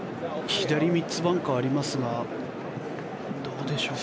左３つバンカーありますがどうでしょうか。